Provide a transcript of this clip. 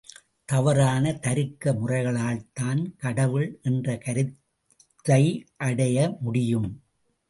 தவறான தருக்க முறைகளால்தான் கடவுள் என்ற கருத்தையடைய முடியும்.